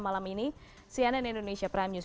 malam ini cnn indonesia prime news